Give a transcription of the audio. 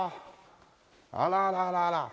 あらららら。